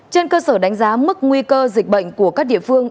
trên cơ sở đánh giá mức nguy cơ dịch bệnh của các địa phương